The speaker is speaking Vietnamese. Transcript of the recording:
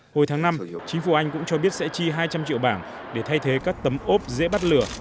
hồi tháng năm chính phủ anh cũng cho biết sẽ chi hai trăm linh triệu bảng để thay thế các tấm ốp dễ bắt lửa